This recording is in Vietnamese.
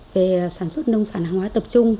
về sản xuất nông sản hàng hóa tập trung